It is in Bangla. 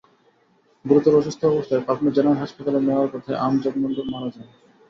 গুরুতর অসুস্থ অবস্থায় পাবনা জেনারেল হাসপাতালে নেওয়ার পথে আমজাদ মণ্ডল মারা যান।